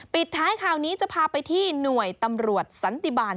ปิดท้ายข่าวนี้จะพาไปที่หน่วยตำรวจสันติบาล